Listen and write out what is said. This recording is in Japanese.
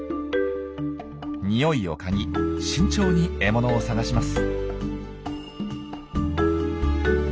ニオイを嗅ぎ慎重に獲物を探します。